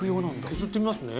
削ってみますね。